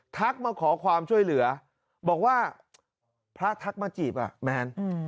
มาขอความช่วยเหลือบอกว่าพระทักมาจีบอ่ะแมน